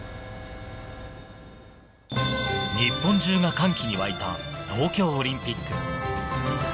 日本中が歓喜に沸いた東京オリンピック。